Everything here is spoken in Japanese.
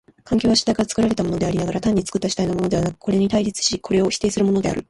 環境は主体から作られたものでありながら、単に作った主体のものではなく、これに対立しこれを否定するものである。